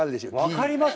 分かります？